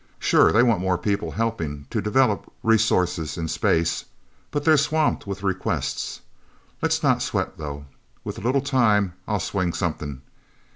Sure they want more people helping to develop resources in space, but they're swamped with requests. Let's not sweat, though. With a little time, I'll swing something...